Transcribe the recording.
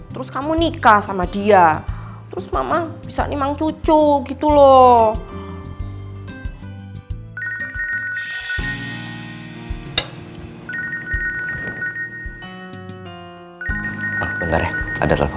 juren mama tuh mau pikirin macem macem